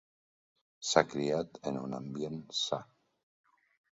S'ha criat en un ambient sa.